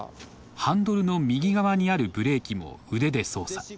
ハンドルの右側にあるブレーキも腕で操作。